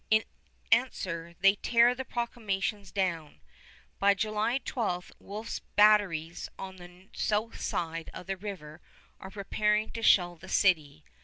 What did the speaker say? In answer, they tear the proclamations down. By July 12 Wolfe's batteries on the south side of the river are preparing to shell the city.